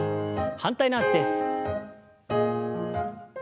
反対の脚です。